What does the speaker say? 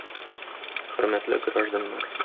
Хөрмәтле гражданнар!